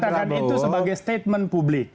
pak prabowo mengatakan itu sebagai statement publik